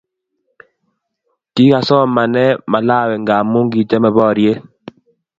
kikasomaene malawi ngamun kichame poryet